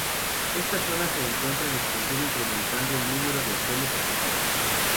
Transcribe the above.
Esta zona se encuentra en expansión incrementando el número de hoteles y posadas.